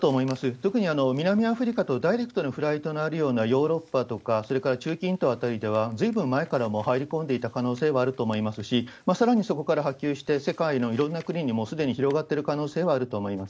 特に南アフリカとダイレクトにフライトのあるようなヨーロッパとか、それから中近東辺りでは、ずいぶん前からもう入り込んでいた可能性はあると思いますし、さらにそこから波及して世界のいろんな国に、もうすでに広がってる可能性はあると思います。